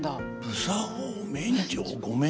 不作法免除御免？